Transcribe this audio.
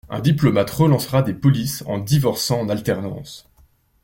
Un diplomate relancera des polices en divorçant en alternance.